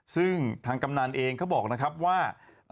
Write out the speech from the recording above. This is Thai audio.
ซึ่งทางกำนันเองเขาบอกนะครับว่า